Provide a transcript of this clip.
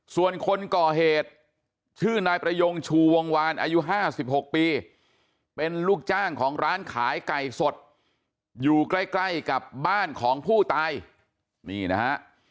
ส่วนคนก่อเหตุชื่อนายประยงชูวงวานอายุ๕๖ปีเป็นลูกจ้างของร้านขายไก่สดอยู่ใกล้ใกล้กับบ้านของผู้ตายนี่นะฮะ